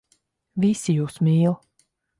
Visi jūs mīl.